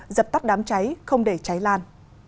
dập tắt đám cháy không để cháy lan